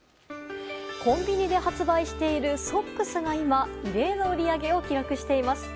コンビニで発売しているソックスが今、異例の売り上げを記録しています。